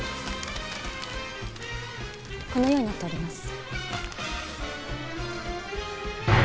このようになっております。